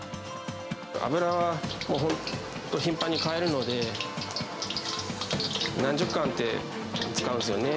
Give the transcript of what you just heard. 油はもう本当、頻繁にかえるので、何十缶って使うんですよね。